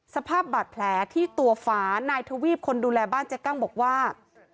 สภาพบาดแผลที่ตัวฝานายทวีปคนดูแลบ้านเจ๊กั้งบอกว่า